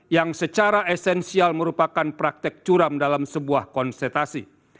yang secara esensial merupakan praktek curam dalam sebuah konsentrasi